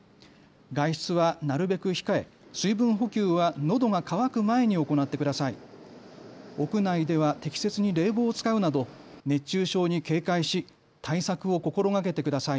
外出はなるべく控え、水分補給はのどが渇く前に行ってください。